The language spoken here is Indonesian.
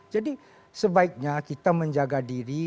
jadi sebaiknya kita menjaga diri